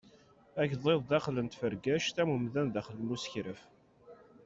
Agḍiḍ daxel n tfergact am umdan daxel n usekraf.